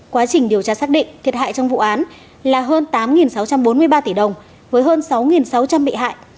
quá trình điều tra xác định thiệt hại trong vụ án là hơn tám sáu trăm bốn mươi ba tỷ đồng với hơn sáu sáu trăm linh bị hại